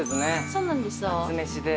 そうなんですよ。